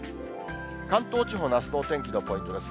関東地方のあすのお天気のポイントです。